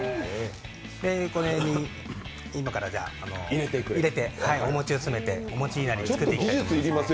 これに今から入れて、お餅を詰めてお餅いなりを作っていこうと思います。